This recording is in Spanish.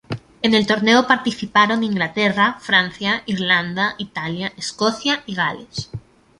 En el torneo participaron Inglaterra, Francia, Irlanda, Italia, Escocia y Gales.